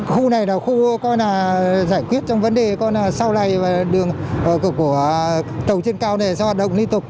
khu này là khu coi là giải quyết trong vấn đề coi là sau này đường của tàu trên cao này sẽ hoạt động liên tục